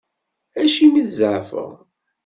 Acimi i tzeɛfeḍ?